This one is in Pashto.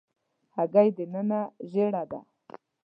هګۍ دننه ژېړه ده.